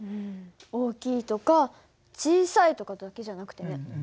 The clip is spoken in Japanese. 大きいとか小さいとかだけじゃなくてね。